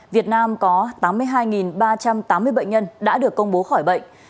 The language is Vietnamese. việt nam có tám mươi hai ba trăm tám mươi bệnh nhân đã được công bố khỏi bệnh